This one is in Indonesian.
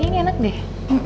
kayaknya ini enak deh